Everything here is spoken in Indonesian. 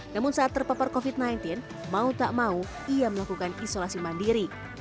namun saat terpapar covid sembilan belas mau tak mau ia melakukan isolasi mandiri